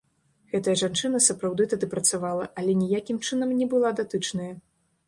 Гэтая жанчына, сапраўды, тады працавала, але ніякім чынам не была датычная.